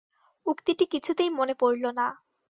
উক্তিটি কিছুতেই মনে পড়ল না।